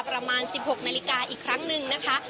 ประมาณ๑๖นาฬิกาอีกครั้งหนึ่งนะคะ